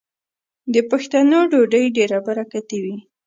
د پښتنو ډوډۍ ډیره برکتي وي.